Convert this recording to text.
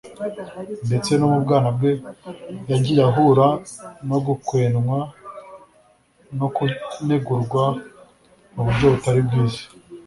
ndetse no mu bwana bwe yagiye ahura no gukwenwa no kunegurwa mu buryo butari bwiza